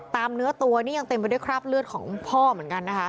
เนื้อตัวนี้ยังเต็มไปด้วยคราบเลือดของพ่อเหมือนกันนะคะ